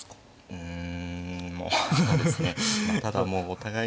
うん。